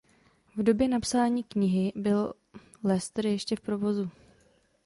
V době napsání knihy byl "Leicester" ještě v provozu.